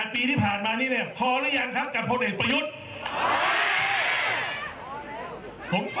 ปีที่ผ่านมานี้เนี่ยพอหรือยังครับกับพลเอกประยุทธ์